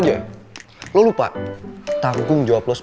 mel tunggu gue